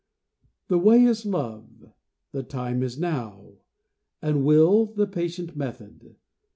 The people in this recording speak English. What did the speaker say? The way is love, the time is now, and will The patient method.